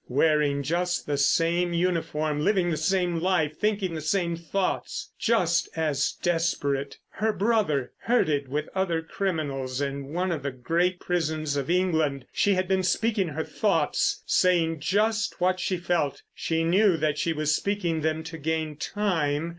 Wearing just the same uniform, living the same life, thinking the same thoughts. Just as desperate. Her brother: herded with other criminals in one of the great prisons of England. She had been speaking her thoughts, saying just what she felt. She knew that she was speaking them to gain time.